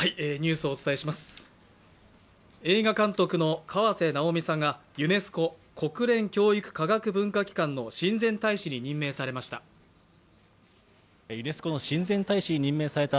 映画監督の河瀬直美さんがユネスコ＝国連教育科学文化機関の親善大使に任命されました。